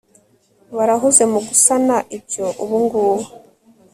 barahuze mugusana ibyo ubungubu